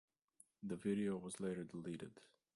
The video was later deleted.